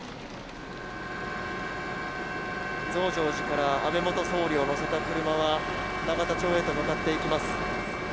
増上寺から安倍元総理を乗せた車が永田町へと向かっていきます。